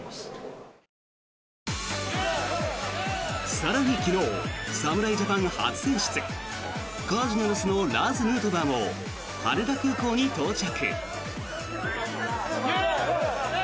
更に、昨日侍ジャパン初選出カージナルスのラーズ・ヌートバーも羽田空港に到着。